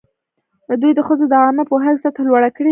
دوی د ښځو د عامه پوهاوي سطحه لوړه کړې ده.